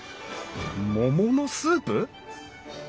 桃のスープ！？